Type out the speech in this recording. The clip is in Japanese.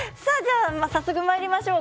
早速、まいりましょう。